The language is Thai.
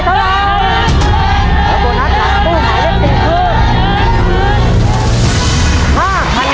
ถ้าโบนัสหลังตู้หมายเลข๔คือ